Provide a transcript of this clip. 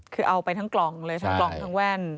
คือเอาไปทั้งกล่องเลยทั้งกล่องทั้งแว่น